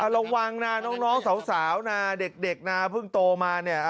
ระวังนะน้องสาวเด็กเพิ่งโตมา